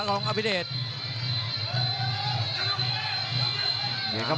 มังกรเขียวล็อกใน